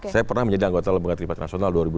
saya pernah menjadi anggota lembaga tripartit nasional